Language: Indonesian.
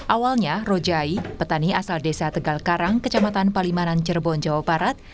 awalnya rojai petani asal desa tegal karang kecamatan palimanan cirebon jawa barat